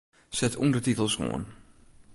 Set ûndertitels oan.